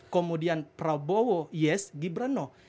kemudian prabowo yes gibran no